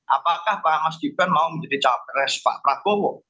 apakah pak mas gibran mau menjadi cawapres pak prabowo